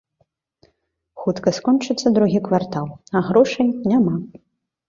Хутка скончыцца другі квартал, а грошай няма.